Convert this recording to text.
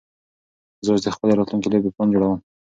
زه اوس د خپلې راتلونکې لوبې پلان جوړوم.